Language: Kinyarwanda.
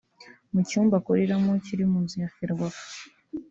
mu cyumba akoreramo kiri mu nzu ya Ferwafa